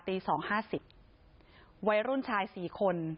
ตี๒๕๐วัยรุ่นชาย๔คน